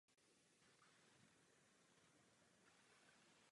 Do Egypta se Alexandr již nikdy nevrátil.